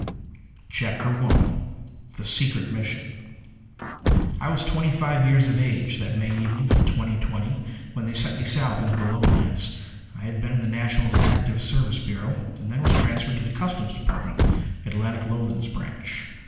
_ CHAPTER I The Secret Mission I was twenty five years of age that May evening of 2020 when they sent me south into the Lowlands. I had been in the National Detective Service Bureau, and then was transferred to the Customs Department, Atlantic Lowlands Branch.